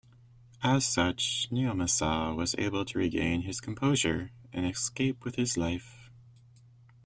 As such, Naomasa was able to regain his composure and escape with his life.